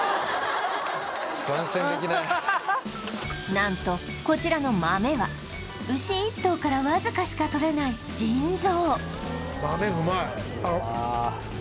なんとこちらのマメは牛一頭からわずかしかとれない腎臓マメ